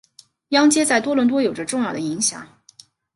央街在多伦多有着重要的影响。